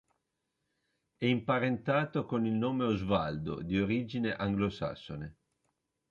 È imparentato con il nome Osvaldo, di origine anglosassone.